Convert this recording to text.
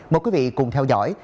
mời quý vị cùng theo dõi